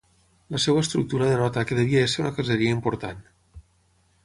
La seva estructura denota que devia ésser una caseria important.